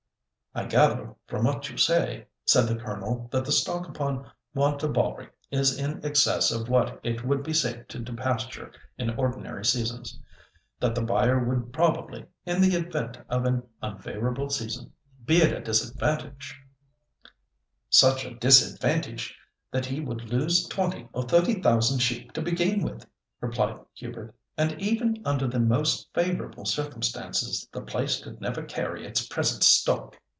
"I gather from what you say," said the Colonel; "that the stock upon Wantabalree is in excess of what it would be safe to depasture in ordinary seasons; that the buyer would probably, in the event of an unfavourable season, be at a disadvantage— " "Such a disadvantage that he would lose twenty or thirty thousand sheep to begin with," replied Hubert; "and even under the most favourable circumstances the place could never carry its present stock."